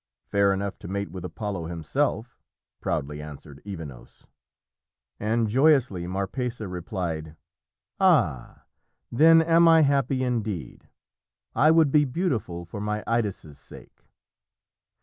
"Fair enough to mate with Apollo himself!" proudly answered Evenos. And joyously Marpessa replied, "Ah, then am I happy indeed! I would be beautiful for my Idas' sake!"